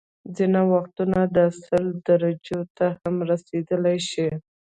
ځینې وختونه دا سل درجو ته هم رسيدلی شي